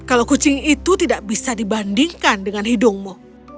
kalau kucing itu tidak bisa dibandingkan dengan hidungmu